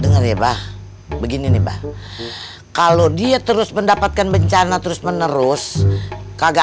denger ya bah begini nih kalau dia terus mendapatkan bencana terus menerus kagak